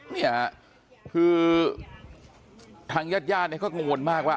นี่คือทางยัดย่าก็งงวลมากว่า